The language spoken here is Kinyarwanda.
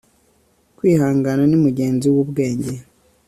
kwihangana ni mugenzi w'ubwenge